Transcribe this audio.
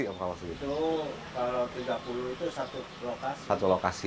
evakuasi itu kalau tiga puluh itu satu lokasi